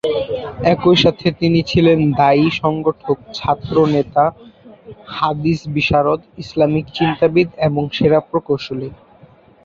একই সাথে তিনি ছিলেন দা’য়ী, সংগঠক, ছাত্রনেতা, হাদীস বিশারদ, ইসলামিক চিন্তাবিদ এবং সেরা প্রকৌশলী।